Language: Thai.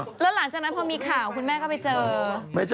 แล้วหลังจากนั้นพอมีข่าวคุณแม่ก็ไปเจอ